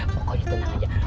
pokoknya tenang aja